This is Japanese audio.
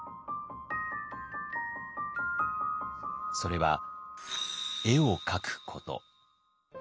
それは絵を描くこと。